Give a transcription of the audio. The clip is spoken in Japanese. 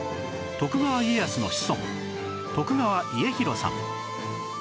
徳川家康の子孫川家広さん